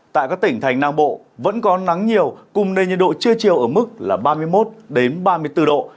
tại các tỉnh thành nam bộ vẫn có nắng nhiều cùng nền nhiệt độ trưa chiều ở mức là ba mươi một ba mươi bốn độ